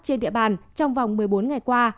trên địa bàn trong vòng một mươi bốn ngày qua